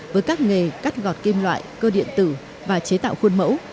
với các nghề cắt gọt kim loại cơ điện tử và chế tạo khuôn mẫu